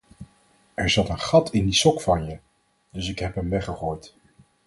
Er zat een gat in die sok van je, dus ik heb hem weggegooid.